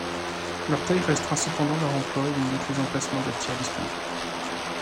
Leur taille restreint cependant leur emploi et limite les emplacements de tir disponibles.